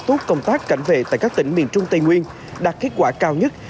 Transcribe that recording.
tốt công tác cảnh vệ tại các tỉnh miền trung tây nguyên đạt kết quả cao nhất